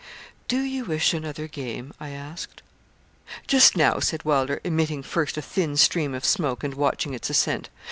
'Do you wish another game?' I asked. 'Just now,' said Wylder, emitting first a thin stream of smoke, and watching its ascent.